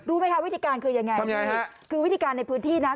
ดูไหมวิธีการคือยังไง